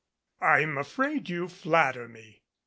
"I'm afraid you flatter me.